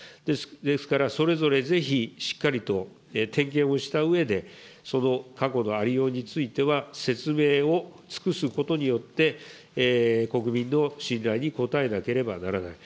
ですから、それぞれぜひ、しっかりと点検をしたうえで、その過去のありようについては、説明を尽くすことによって、国民の信頼に応えなければならない。